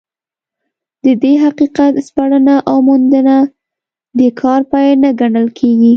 د دې حقیقت سپړنه او موندنه د کار پای نه ګڼل کېږي.